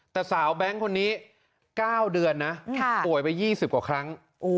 แต่สาวแบงค์คนนี้๙เดือนนะป่วยไป๒๐กว่าครั้ง